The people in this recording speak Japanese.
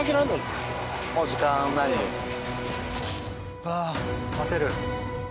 うわ焦る。